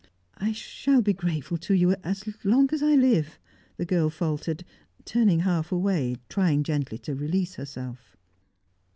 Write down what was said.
"I shall be grateful to you as long as I live," the girl faltered, turning half away, trying gently to release herself.